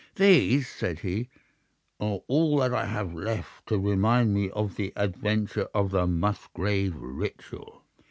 "These," said he, "are all that I have left to remind me of the adventure of the Musgrave Ritual."